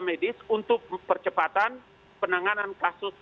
medis untuk percepatan penanganan kasus